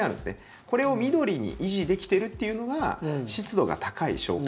これを緑に維持できてるっていうのが湿度が高い証拠。